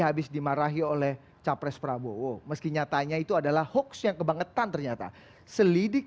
habis dimarahi oleh capres prabowo meski nyatanya itu adalah hoax yang kebangetan ternyata selidik